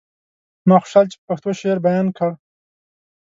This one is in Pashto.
ما خوشحال چې په پښتو شعر بيان کړ.